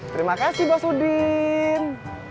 terima kasih bos udin